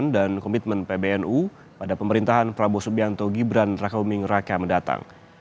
dan komitmen pbnu pada pemerintahan prabowo subianto gibran rakauming raka mendatang